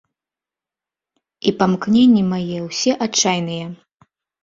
І памкненні мае ўсе адчайныя.